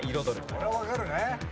これはわかるね。